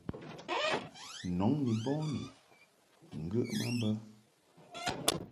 Nɔŋ ni bɔni ŋgəʼ ma mbə.